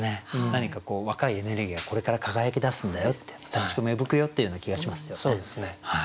何かこう若いエネルギーがこれから輝き出すんだよっていう新しく芽吹くよっていうような気がしますよね。